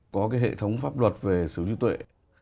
có cái hệ thống pháp luật về sở hữu trí tuệ